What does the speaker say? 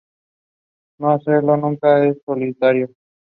No hacerlo nunca en solitario.